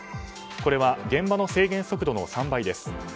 これは現場の制限速度の３倍です。